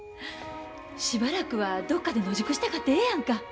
しばらくはどっかで野宿したかてええやんか。